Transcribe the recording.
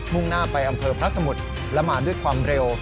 ่งหน้าไปอำเภอพระสมุทรและมาด้วยความเร็ว